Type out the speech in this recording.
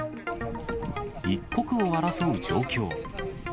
一刻を争う状況。